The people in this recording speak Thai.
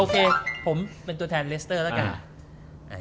ผมเป็นตัวแทนเลสเตอร์แล้วกัน